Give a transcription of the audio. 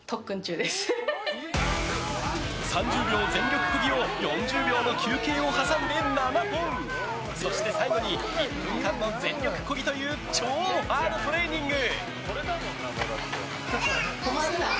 ３０秒全力こぎを４０秒の休憩を挟んで７本！そして最後に１分間の全力こぎという超ハードトレーニング！